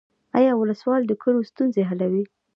آیا ولسوال د کلیو ستونزې حلوي؟